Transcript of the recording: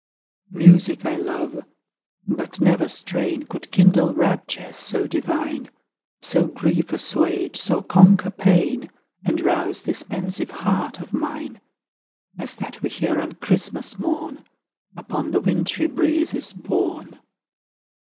Music I love but never strain Could kindle raptures so divine, So grief assuage, so conquer pain, And rouse this pensive heart of mine As that we hear on Christmas morn, Upon the wintry breezes borne.